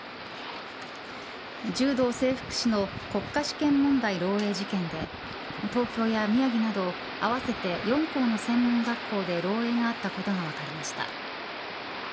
柔道整復師の国家試験問題漏えい事件で東京や宮城など併せて４校の専門学校で漏えいがあったことが分かりました。